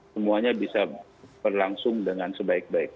semuanya bisa berlangsung dengan sebaik baik